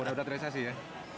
udah udah tradisasi ya